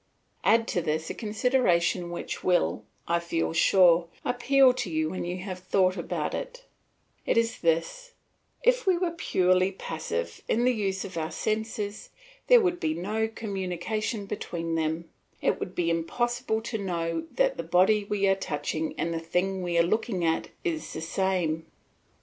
Add to this a consideration which will, I feel sure, appeal to you when you have thought about it: it is this If we were purely passive in the use of our senses, there would be no communication between them; it would be impossible to know that the body we are touching and the thing we are looking at is the same.